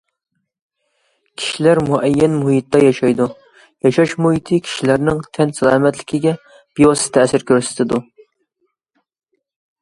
كىشىلەر مۇئەييەن مۇھىتتا ياشايدۇ، ياشاش مۇھىتى كىشىلەرنىڭ تەن سالامەتلىكىگە بىۋاسىتە تەسىر كۆرسىتىدۇ.